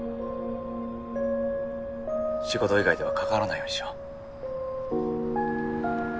仕事以外では関わらないようにしよう。